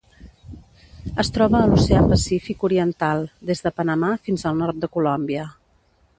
Es troba a l'Oceà Pacífic oriental: des de Panamà fins al nord de Colòmbia.